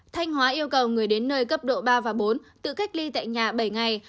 thanh hóa yêu cầu người đến nơi cấp độ ba và bốn tự cách ly tại nhà bảy ngày